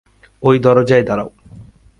ঐ দরজায় দাঁড়াও।